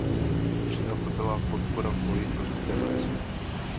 Včera to byla podpora v boji proti terorismu.